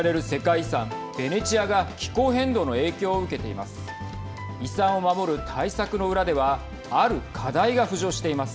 遺産を守る対策の裏ではある課題が浮上しています。